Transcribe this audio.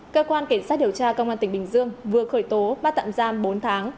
cơ quan kiểm soát điều tra công an tỉnh bình dương vừa khởi tố bắt tạm giam bốn tháng